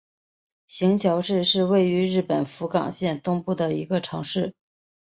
行桥市是位于日本福冈县东部的一个城市。